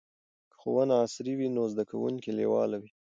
که ښوونه عصري وي نو زده کوونکي لیواله وي.